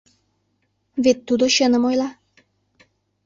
Вет тудо чыным ойла.